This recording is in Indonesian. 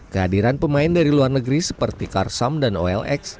kehadiran pemain dari luar negeri seperti karsam dan olx